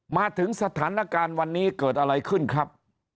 มาถึงสถานการณ์วันนี้เกิดอะไรขึ้นครับ